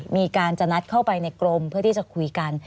มีการจะนัดเข้าไปในกรมเพื่อที่จะคุยกัน